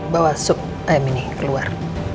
bawa sup ayam ini keluar